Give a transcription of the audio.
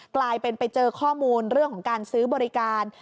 กลายเป็นไปเจอข้อมูลเรื่องของการซื้อบริการ